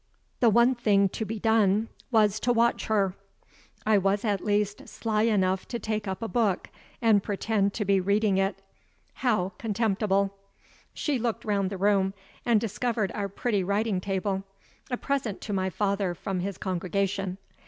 The one thing to be done was to watch her. I was at least sly enough to take up a book, and pretend to be reading it. How contemptible! She looked round the room, and discovered our pretty writing table; a present to my father from his congregation.